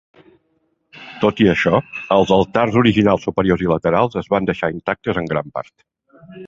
Tot i això, els altars originals superiors i laterals es van deixar intactes en gran part.